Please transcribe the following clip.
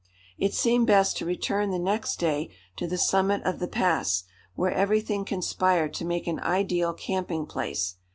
It seemed best to return the next day to the summit of the pass, where everything conspired to make an ideal camping place.